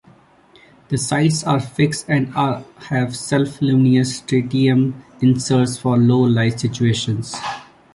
The sights are fixed and are have self-luminous tritium inserts for low-light situations.